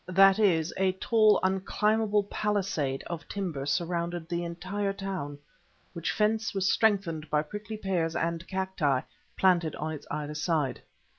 That is, a tall, unclimbable palisade of timber surrounded the entire town, which fence was strengthened by prickly pears and cacti planted on its either side.